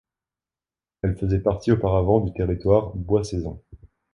Elle faisait partie auparavant du territoire de Boissezon.